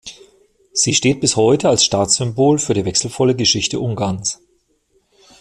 Sie steht bis heute als Staatssymbol für die wechselvolle Geschichte Ungarns.